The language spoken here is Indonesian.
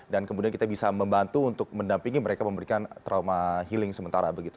dan kemudian kita bisa membantu untuk mendampingi mereka memberikan trauma healing sementara begitu